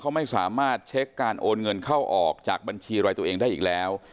เขาไม่สามารถเช็คการโอนเงินเข้าออกจากบัญชีรายตัวเองได้อีกแล้ว